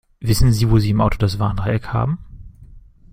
Wissen Sie, wo Sie im Auto das Warndreieck haben?